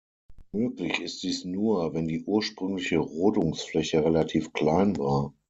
Möglich ist dies nur, wenn die ursprüngliche Rodungsfläche relativ klein war.